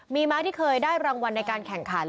มีม้าที่เคยได้รางวัลในการแข่งขัน